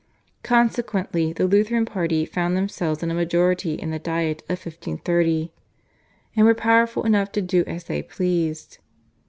Consequently the Lutheran party found themselves in a majority in the Diet of 1530, and were powerful enough to do as they pleased.